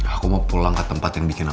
aku mau pulang ke tempat yang bikin aku